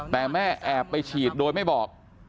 แต่แม่แอบไปฉีดโดยไม่บอก